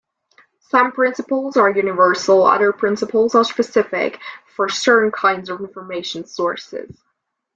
Some principles are universal, other principles are specific for certain kinds of information sources.